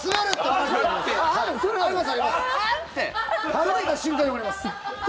離れた瞬間にわかります。